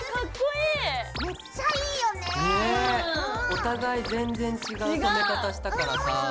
お互い全然違う染め方したからさぁ。